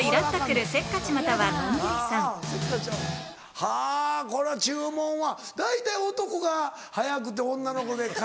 はぁこれは注文は大体男が早くて女の子。